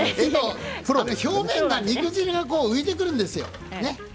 表面が肉汁が浮いてくるんですよ。